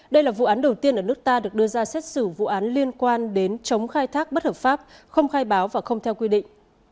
đây là vụ án đầu tiên ở nước ta được đưa ra xét xử vụ án liên quan đến chống khai thác bất hợp pháp không khai báo và không theo quy định